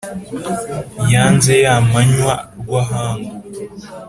yanze ya manywa rwahangu,